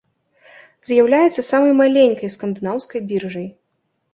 З'яўляецца самай маленькай скандынаўскай біржай.